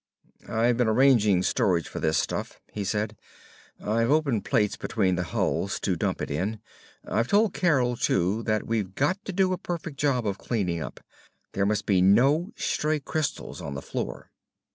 "I've been arranging storage for this stuff," he said. "I've opened plates between the hulls to dump it in. I've told Carol, too, that we've got to do a perfect job of cleaning up. There must be no stray crystals on the floor."